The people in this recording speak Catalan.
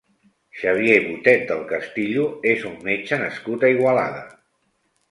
Xavier Botet del Castillo és un metge nascut a Igualada.